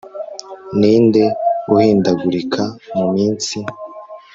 Ninde uhindagurika mu mitsi